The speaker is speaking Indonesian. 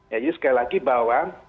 jadi sekali lagi bahwa